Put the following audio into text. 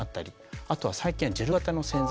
あとは最近はジェル型の洗剤。